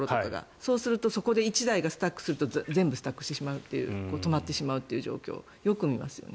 そうするとそこで１台がスタックすると全部スタックしてしまう止まってしまうという状況をよく見ますよね。